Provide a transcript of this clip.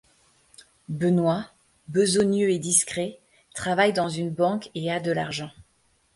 Benoît, besogneux et discret, travaille dans une banque et a de l'argent.